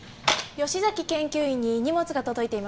吉崎研究員に荷物が届いています。